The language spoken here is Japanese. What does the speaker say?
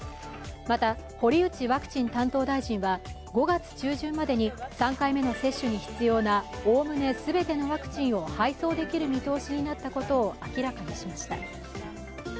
また、堀内ワクチン担当大臣は５月中旬までに３回目の接種に必要なおおむね全てのワクチンを配送できる見通しになったことを明らかにしました。